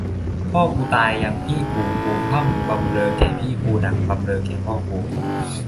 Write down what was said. พ่อกูตายยังพี่กู กูพร่ำบำเรอแก่พี่กูดั่งบำเรอแก่พ่อกู